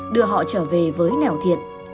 đưa họ trở về với nẻo thiện